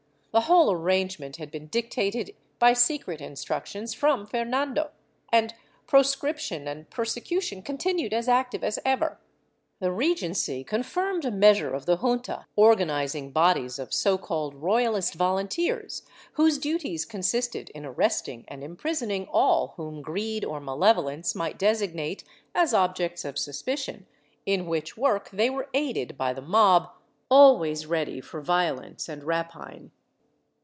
The whole arrangement had been dictated by secret instructions from Fernando, and proscription and persecution continued as active as ever. The Regency confirmed a measure of the Junta organizing bodies of so called Royalist Volunteers, whose duties consisted in arresting and imprisoning all whom greed or malevolence might designate as objects of suspicion, in which work they were aided by the mob, always ready for violence and rapine.